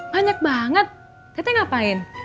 banyak banget teh teh ngapain